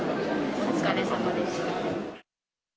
お疲れさまでした。